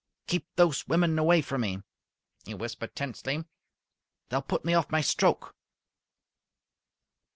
"Keep those women away from me," he whispered tensely. "They'll put me off my stroke!"